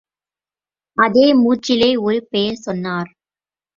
அதே மூச்சிலே, ஒரு பெயரைச் சொன்னார்.